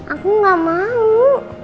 aku gak mau